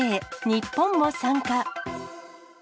日本も参加。